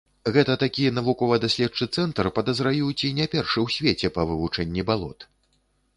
Гэта такі навукова-даследчы цэнтр, падазраю, ці не першы ў свеце, па вывучэнні балот.